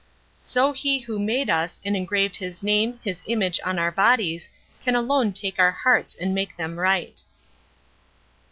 "So He who made us, and engraved his name, his image, on our bodies, can alone take our hearts and make them right."